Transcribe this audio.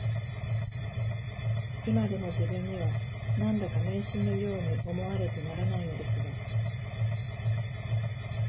いまでも自分には、何だか迷信のように思われてならないのですが